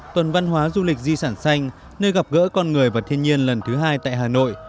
tuần văn hóa du lịch di sản xanh nơi gặp gỡ con người và thiên nhiên lần thứ hai tại hà nội